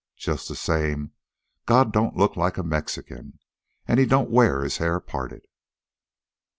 Just the same, God don't look like a Mexican, an' he don't wear his hair parted."